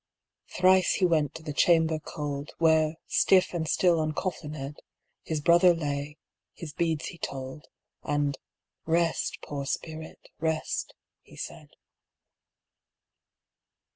Thrice he went to the chamber cold, Where, stiff and still uncoffinèd, His brother lay, his beads he told, And "Rest, poor spirit, rest," he said.